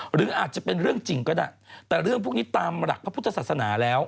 หรืออาจจะเป็นเรื่องจริงก็ได้แต่เรื่องพวกนี้ตามหลักพระพุทธศาสนาแล้ว